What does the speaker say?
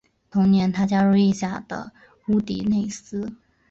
同年他加入意甲的乌迪内斯。